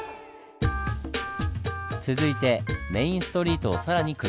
続いてメインストリートを更に下ります。